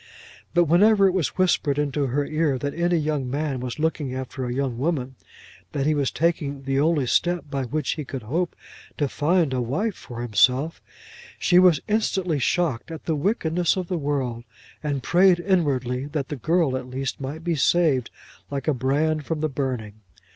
But whenever it was whispered into her ear that any young man was looking after a young woman, that he was taking the only step by which he could hope to find a wife for himself, she was instantly shocked at the wickedness of the world, and prayed inwardly that the girl at least might be saved like a brand from the burning.